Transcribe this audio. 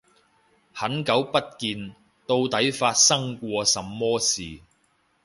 很久不見，到底發生過什麼事